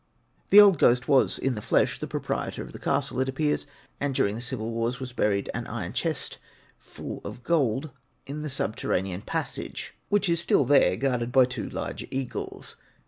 This old ghost was in the flesh proprietor of the castle, it appears, and during the civil wars buried an iron chest full of gold in the subterranean passage which is still there, guarded by two large eagles.